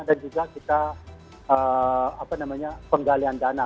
dan juga kita penggalian dana